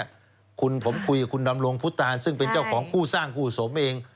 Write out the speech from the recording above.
คุณผมคุยกับคุณดำรงพุทธตานซึ่งเป็นเจ้าของคู่สร้างคู่สมเอง